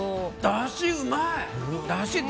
だしうまい！